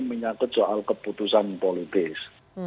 menyakut soal keputusan politis